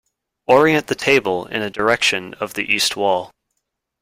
Orient the table in the direction of the east wall.